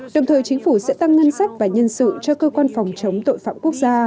đồng thời chính phủ sẽ tăng ngân sách và nhân sự cho cơ quan phòng chống tội phạm quốc gia